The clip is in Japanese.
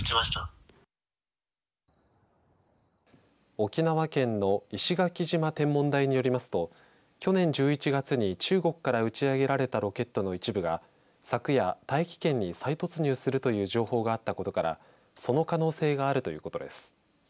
沖縄県の石垣島天文台によりますと去年１１月に中国から打ち上げられたロケットの一部が昨夜、大気圏に再突入するという情報があったことからその可能性があるということです。